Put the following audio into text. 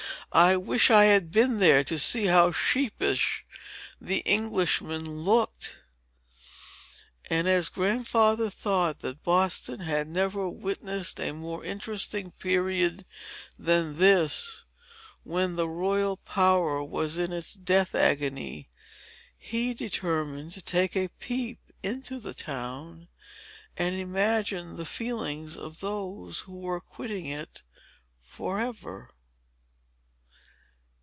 "I wish I had been there, to see how sheepish the Englishmen looked." And, as Grandfather thought that Boston had never witnessed a more interesting period than this, when the royal power was in its death agony, he determined to take a peep into the town, and imagine the feelings of those who were quitting it forever.